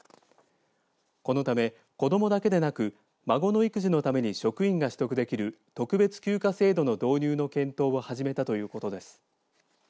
このため、子どもだけでなく孫の育児のために職員が取得できる特別休暇制度の導入の検討を始めたということです。